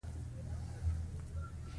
د دوی ګټه او تاوان غم او خوشحالي شریک وي.